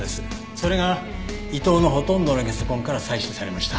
それが伊藤のほとんどのゲソ痕から採取されました。